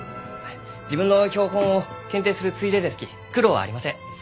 自分の標本を検定するついでですき苦労はありません。